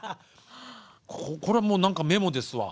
これはもう何かメモですわ。